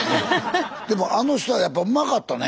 でもあの人はやっぱうまかったね。